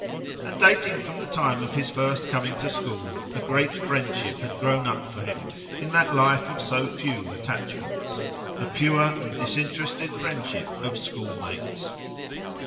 And, dating from the time of his first coming to school, a great friendship had grown up for him, in that life of so few attachments—the pure and disinterested friendship of schoolmates.